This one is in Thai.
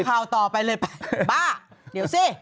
ข่าวต่อไปเลย